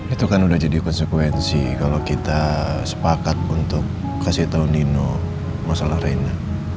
itu kan udah jadi konsekuensi kalau kita sepakat untuk kasih tahu nino masalah arena